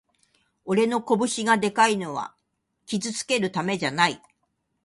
俺の拳がでかいのは傷つけるためじゃない